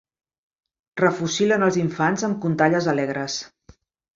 Refocil·len els infants amb contalles alegres.